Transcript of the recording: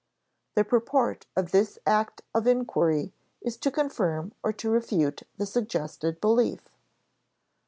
The purport of this act of inquiry is to confirm or to refute the suggested belief.